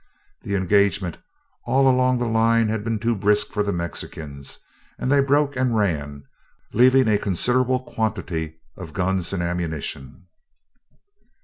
The engagement all along the line had been too brisk for the Mexicans, and they broke and ran, leaving a considerable quantity of guns and ammunition.